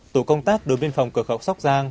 tổ công tác đối biên phòng cờ khẩu sóc giang